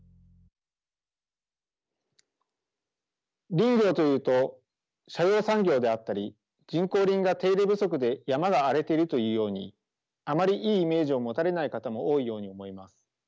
林業というと斜陽産業であったり人工林が手入れ不足で山が荒れているというようにあまりいいイメージを持たれない方も多いように思います。